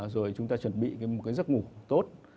rồi chúng ta chuẩn bị một cái giấc ngủ tốt